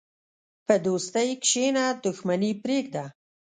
په دوستۍ کښېنه، دښمني پرېږده.